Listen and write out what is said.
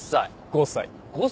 ５歳。